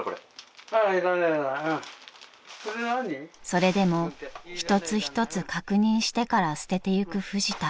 ［それでも一つ一つ確認してから捨ててゆくフジタ］